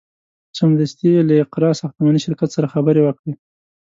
سمدستي یې له اقراء ساختماني شرکت سره خبرې وکړې.